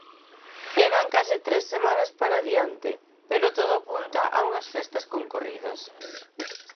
Quedan case tres semanas para diante, pero todo apunta a unhas festas concorridas.